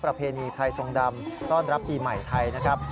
ประเพณีไทยทรงดำต้อนรับปีใหม่ไทยนะครับ